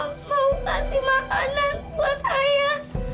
nanti kita jalan jalan ya